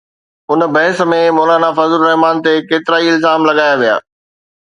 ان بحث ۾ مولانا فضل الرحمان تي ڪيترائي الزام لڳايا ويا.